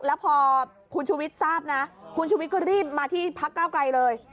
แล้วพอคุณชุวิตทราบนะคุณชุวิตก็รีบมาที่พักเก้าไกลเลย